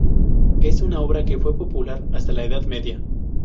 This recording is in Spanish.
Es una obra que fue popular hasta la Edad Media.